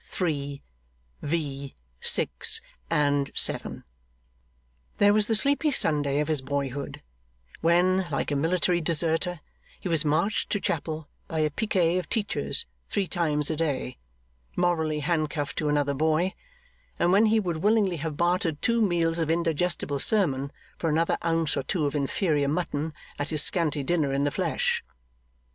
Thess. c. iii, v. 6 & 7. There was the sleepy Sunday of his boyhood, when, like a military deserter, he was marched to chapel by a picquet of teachers three times a day, morally handcuffed to another boy; and when he would willingly have bartered two meals of indigestible sermon for another ounce or two of inferior mutton at his scanty dinner in the flesh.